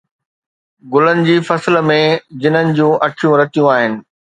گلن جي فصل ۾، جنن جون اکيون رتيون آهن